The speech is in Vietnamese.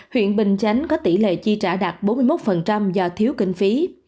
huyện bình chánh có tỷ lệ chi trả đạt bốn mươi một do thiếu kinh phí